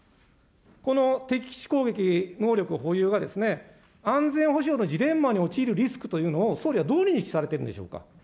この敵基地攻撃能力保有は安全保障のジレンマに陥るリスクというのを、総理はどう認識されているんでしょうか。